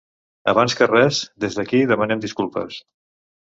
Abans que res, des d'aquí demanem disculpes.